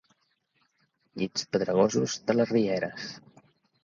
Llits pedregosos de les rieres.